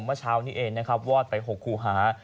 เมื่อเช้านี้เองนะครับวอดไป๖คู่หา